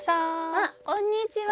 あっこんにちは。